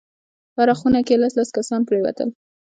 په هره خونه کښې لس لس کسان پرېوتل.